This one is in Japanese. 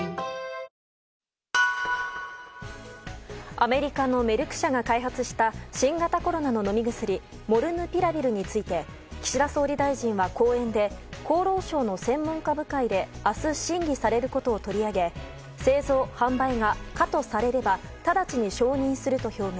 アメリカのメルク社が開発した新型コロナの飲み薬モルヌピラビルについて岸田総理大臣は講演で厚労省の専門家部会で明日審議されることを取り上げ製造・販売が可とされれば直ちに承認すると表明。